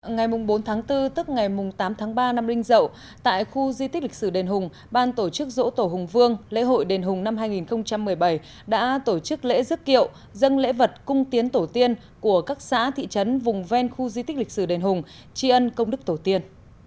ngày bốn tháng bốn tức ngày tám tháng ba năm linh dậu tại khu di tích lịch sử đền hùng ban tổ chức dỗ tổ hùng vương lễ hội đền hùng năm hai nghìn một mươi bảy đã tổ chức lễ dức kiệu dân lễ vật cung tiến tổ tiên của các xã thị trấn vùng ven khu di tích lịch sử đền hùng tri ân công đức tổ tiên